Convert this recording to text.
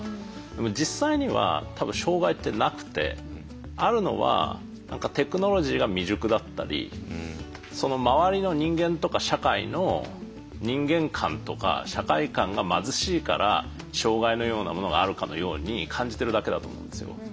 でも実際には多分障害ってなくてあるのはテクノロジーが未熟だったりその周りの人間とか社会の人間観とか社会観が貧しいから障害のようなものがあるかのように感じてるだけだと思うんですよ。